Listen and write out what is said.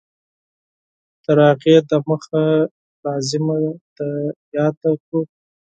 تر هغې د مخه لازمه ده یاده کړو